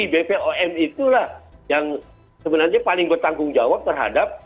bepom itulah yang paling bertanggung jawab terhadap